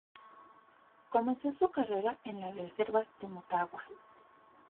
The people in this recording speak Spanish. Comenzó su carrera en las reservas de Motagua.